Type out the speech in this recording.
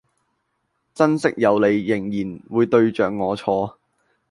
珍惜有你仍然會對著我坐